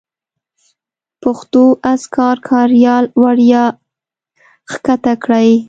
پښتو اذکار کاریال وړیا کښته کړئ